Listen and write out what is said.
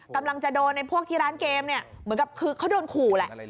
กำลังจะโดนไอ้พวกที่ร้านเกมเนี่ยเหมือนกับคือเขาโดนขู่แหละ